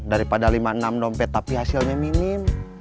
daripada lima puluh enam dompet tapi hasilnya minim